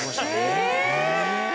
え！